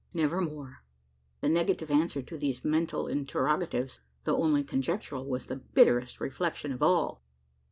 Never more! The negative answer to these mental interrogatives though only conjectural was the bitterest reflection of all!